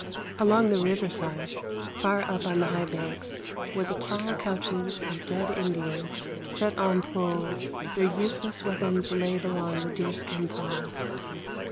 Along the riverside, far up on the high banks, were the tall couches of dead Indians, set on poles, their useless weapons laid along the deerskin pall.